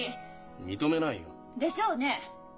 認めないよ。でしょうね！